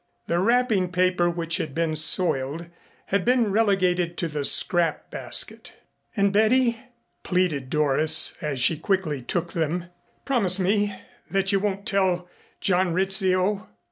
The wrapping paper which had been soiled had been relegated to the scrap basket. "And Betty " pleaded Doris as she quickly took them, "promise me that you won't tell John Rizzio."